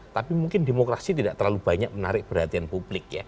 tapi mungkin demokrasi tidak terlalu banyak menarik perhatian publik ya